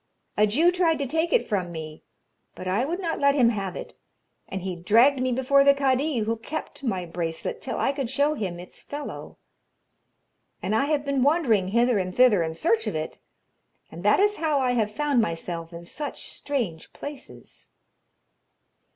A Jew tried to take it from me, but I would not let him have it, and he dragged me before the kadi, who kept my bracelet till I could show him its fellow. And I have been wandering hither and thither in search of it, and that is how I have found myself in such strange places.'